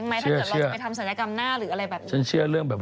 ไม่เห็นว่ามันน่าอุตส่าห์เลยครับ